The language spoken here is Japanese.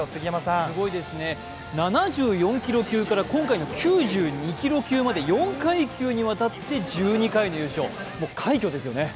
すごいですね、７４キロ級から今回の９２キロ級まで４階級にわたって１２回優勝、もう快挙ですよね。